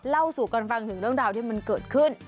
เล่าสู่กันฟังถึงเรื่องราวที่มันเกิดขึ้น